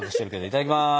いただきます。